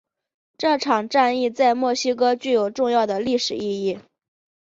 这场战役在墨西哥具有重要的历史意义。